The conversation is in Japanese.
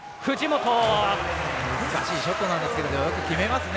難しいショットなんですがよく決めますね。